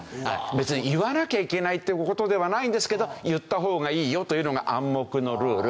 別に言わなきゃいけないって事ではないんですけど言った方がいいよというのが暗黙のルール。